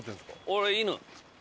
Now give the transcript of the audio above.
俺犬。